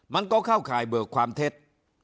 มันก็เข้าข่ายเบอร์ความเท็จ